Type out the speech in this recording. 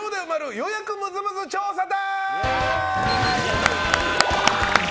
予約ムズムズ調査隊！